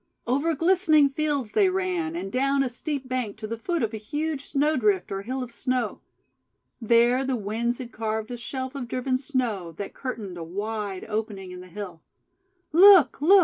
Over glistening fields they ran, and down a steep bank to the foot of a huge Snowdrift or Hill of Snow. There the Winds had carved a shelf of driven snow, that curtained a wide opening in the hill. :'Look! Look!